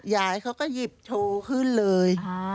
ยายเขาก็หยิบโชว์ขึ้นเลย